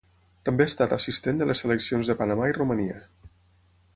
També ha estat assistent de les seleccions de Panamà i Romania.